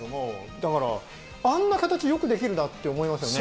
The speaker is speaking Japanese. だからあんな形、よくできるなって思いますよね。